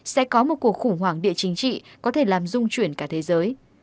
sẽ có một cuộc khủng hoảng địa chính trị có thể làm dung chuyển cả thế giới